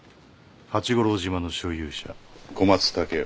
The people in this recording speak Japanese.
八五郎島の所有者小松武雄。